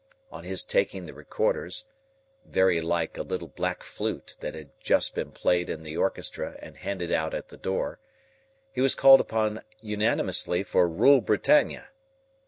On his taking the recorders,—very like a little black flute that had just been played in the orchestra and handed out at the door,—he was called upon unanimously for Rule Britannia.